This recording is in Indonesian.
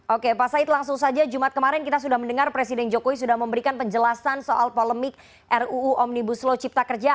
oke pak said langsung saja jumat kemarin kita sudah mendengar presiden jokowi sudah memberikan penjelasan soal polemik ruu omnibus law cipta kerja